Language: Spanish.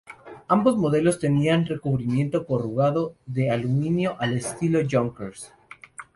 Ambos modelos tenían recubrimiento corrugado de aluminio al estilo Junkers.